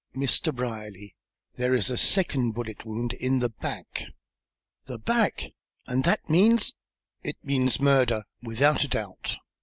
"Mr. Brierly, there is a second bullet wound in the back!" "The back! And that means " "It means murder, without a doubt.